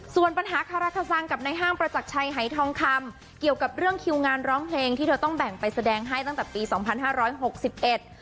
ส่วนปัญหาคาราคาซังกับในห้างประจักรชัยหายทองคำเกี่ยวกับเรื่องคิวงานร้องเพลงที่เธอต้องแบ่งไปแสดงให้ตั้งแต่ปีสองพันห้าร้อยหกสิบเอ็ด